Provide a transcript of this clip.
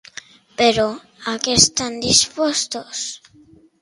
Però, a què estan dispostos?